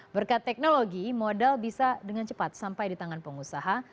berkat teknologi modal bisa dengan cepat sampai di tangan pengusaha